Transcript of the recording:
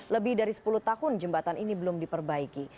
lebih dari sepuluh tahun jembatan ini belum diperbaiki